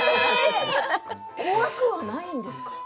怖くないんですか？